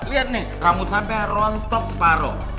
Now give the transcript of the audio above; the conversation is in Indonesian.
lihat nih rambut sampe rontok separoh